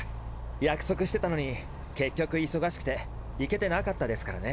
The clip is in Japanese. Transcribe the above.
約束してたのに結局忙しくて行けてなかったですからね。